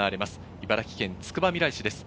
茨城県つくばみらい市です。